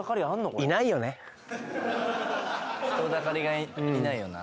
これ人だかりがいないよな